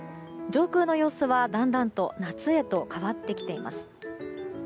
上空の様子はだんだんと夏へと変わってきています。